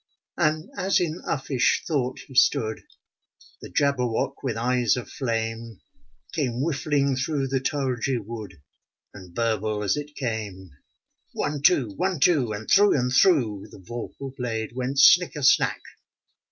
And as in uffish thought he stood, The Jabberwock with eyes of flame. Came whiffling through the tulgey wood, And burbled as it came! 870 Nonsense One, two I. One, two! And through, and through The vorpal blade went snicker snack!